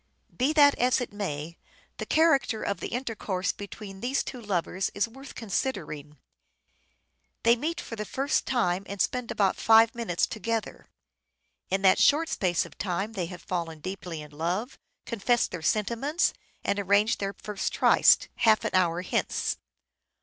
Be that as it may, the character of the intercourse between these two lovers is worth considering. They meet for the first time and spend about five minutes together. In that short space of time they have fallen deeply in love, confessed their sentiments and arranged their first tryst, " half an hour hence."